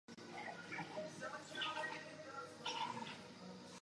Jakkoliv to může být paradoxní, čistě a jedině svoboda myšlení.